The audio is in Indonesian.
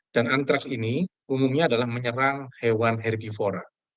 dan antraks ini umumnya adalah menyerang hewan herbivora